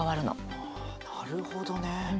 なるほどね。